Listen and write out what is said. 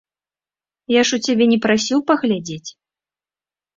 Я ж у цябе не прасіў паглядзець.